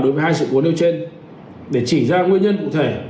đối với hai sự cố nêu trên để chỉ ra nguyên nhân cụ thể